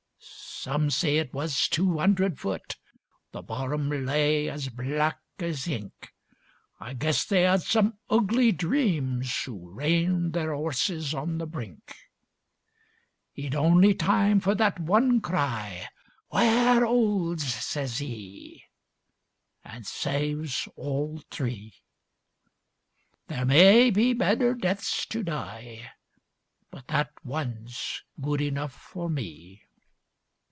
Some say it was two 'undred foot; The bottom lay as black as ink. I guess they 'ad some ugly dreams, Who reined their 'orses on the brink. 'E'd only time for that one cry; ''Ware 'oles!' says 'e, an' saves all three. There may be better deaths to die, But that one's good enough for me.